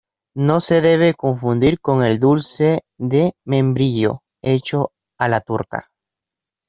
No se debe confundir con el dulce de membrillo hecho a la turca.